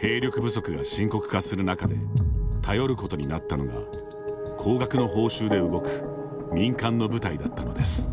兵力不足が深刻化する中で頼ることになったのが高額の報酬で動く民間の部隊だったのです。